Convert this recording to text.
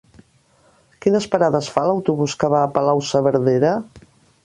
Quines parades fa l'autobús que va a Palau-saverdera?